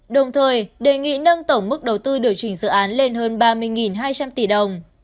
đồng thời đề nghị nâng tổng mức đầu tư điều chỉnh dự án lên hơn ba mươi hai trăm linh tỷ đồng